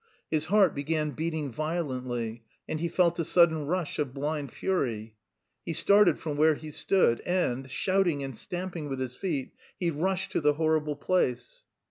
His heart began beating violently, and he felt a sudden rush of blind fury: he started from where he stood, and, shouting and stamping with his feet, he rushed to the horrible place.